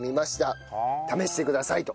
試してください！と。